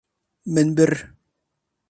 Min bir.